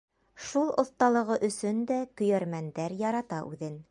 Шул оҫталығы өсөн дә көйәрмәндәр ярата үҙен.